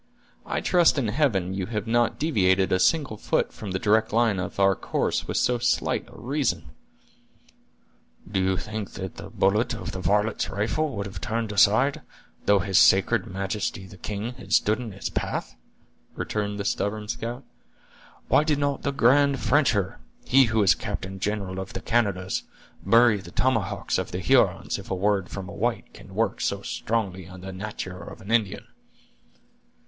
I trust in Heaven you have not deviated a single foot from the direct line of our course with so slight a reason!" "Do you think the bullet of that varlet's rifle would have turned aside, though his sacred majesty the king had stood in its path?" returned the stubborn scout. "Why did not the grand Frencher, he who is captain general of the Canadas, bury the tomahawks of the Hurons, if a word from a white can work so strongly on the natur' of an Indian?"